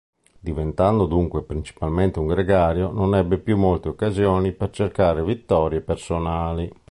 Diventando dunque principalmente un gregario, non ebbe più molte occasioni per cercare vittorie personali.